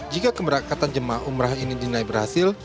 jika kemerakatan jemaah umrah ini dinai berhasil